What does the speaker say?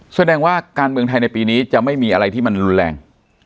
แสดงว่าการเมืองไทยในปีนี้จะไม่มีอะไรที่มันรุนแรง